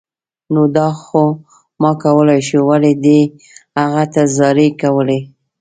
نو دا خو ما کولای شو، ولې دې هغه ته زارۍ کولې